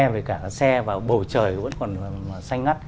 và bầu trời vẫn còn xanh ngắt